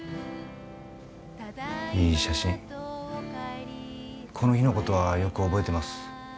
いい写真この日のことはよく覚えてます